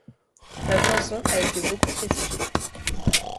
La chanson a été beaucoup critiquée.